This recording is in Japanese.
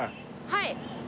はい。